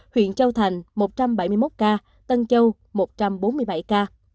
huyện châu thành một trăm bảy mươi một ca tân châu một trăm bốn mươi bảy ca